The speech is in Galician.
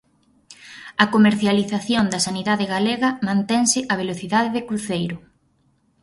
A comercialización da sanidade galega mantense a velocidade de cruceiro.